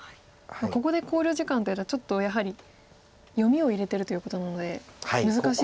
ここで考慮時間と言われたらちょっとやはり読みを入れてるということなので難しい手を。